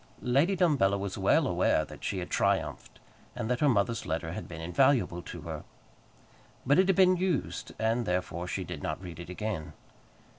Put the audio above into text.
Lady Dumbello was well aware that she had triumphed, and that her mother's letter had been invaluable to her. But it had been used, and therefore she did not read it again.